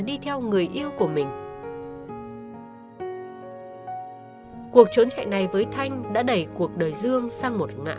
dương đi theo thanh với suy nghĩa là